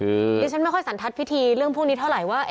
ดิฉันไม่ค่อยสันทัศน์พิธีเรื่องพวกนี้เท่าไหร่ว่า